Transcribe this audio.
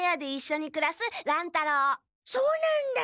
そうなんだ！